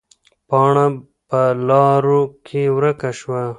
پاڼه په لارو کې ورکه شوه.